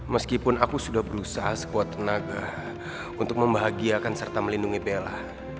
meskipun aku sudah berusaha sekuat tenaga untuk membahagiakan serta melindungi bella